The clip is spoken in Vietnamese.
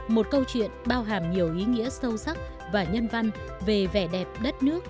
một câu chuyện bao hàm nhiều ý nghĩa sâu sắc và nhân văn về vẻ đẹp đất nước